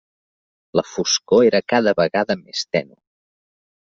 La foscor era cada vegada més tènue.